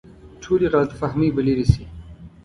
ټولې غلط فهمۍ به لرې شي.